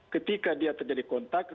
ketika dia terjadi kontak